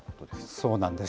そうなんです。